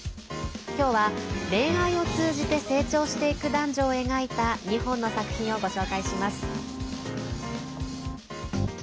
きょうは、恋愛を通じて成長していく男女を描いた２本の作品をご紹介します。